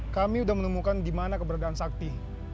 kami udah menemukan dimana keberadaan sakti